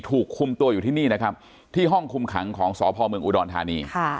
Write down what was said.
ถูกคุมตัวอยู่ที่นี่นะครับที่ห้องคุมขังของสพเมืองอุดรธานี